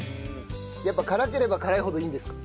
やっぱ辛ければ辛いほどいいんですか？